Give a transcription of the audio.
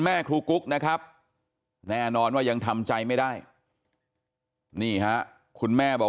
แม่ครูกุ๊กนะครับแน่นอนว่ายังทำใจไม่ได้นี่ฮะคุณแม่บอก